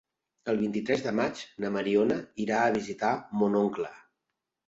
El vint-i-tres de maig na Mariona irà a visitar mon oncle.